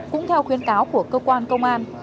cũng theo khuyến cáo của cơ quan công an